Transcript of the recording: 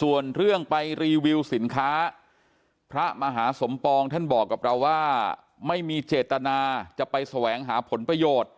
ส่วนเรื่องไปรีวิวสินค้าพระมหาสมปองท่านบอกกับเราว่าไม่มีเจตนาจะไปแสวงหาผลประโยชน์